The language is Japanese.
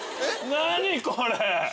何これ！